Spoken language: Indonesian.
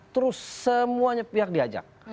terus semuanya pihak diajak